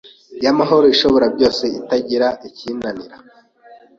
y’amahoro ishobora byose itagira ikiyinanaira